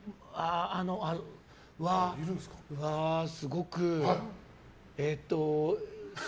すごく。